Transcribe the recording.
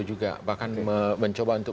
juga bahkan mencoba untuk